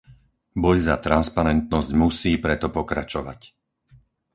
Boj za transparentnosť musí preto pokračovať!